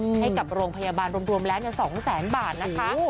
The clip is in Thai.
อืมให้กับโรงพยาบาลรวมแล้วเนี้ยสองแสนบาทนะคะโอ้โห